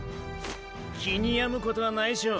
気に病むことはないショ。